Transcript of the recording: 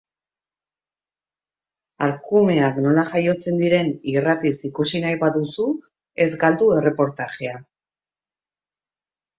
Arkumeak nola jaiotzen diren irratiz ikusi nahi baduzu, ez galdu erreportajea.